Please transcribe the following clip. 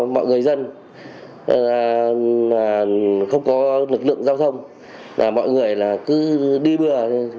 mọi người dân không có lực lượng giao thông mọi người cứ đi bừa